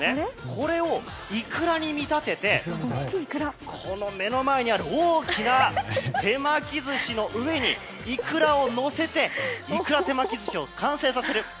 これをイクラに見立てて目の前にある大きな手巻き寿司の上にイクラをのせてイクラ手巻き寿司を完成させる。